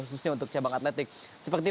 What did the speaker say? khususnya untuk cabang atletik seperti